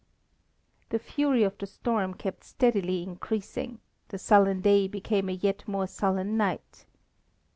The fury of the storm kept steadily increasing, the sullen day became a yet more sullen night.